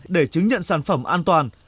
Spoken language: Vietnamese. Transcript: để chứng nhận sản phẩm an toàn